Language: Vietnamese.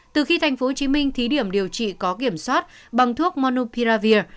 từ khi thành phố hồ chí minh thí điểm điều trị có kiểm soát bằng thuốc monopiravir